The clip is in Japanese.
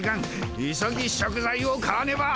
急ぎ食材を買わねば。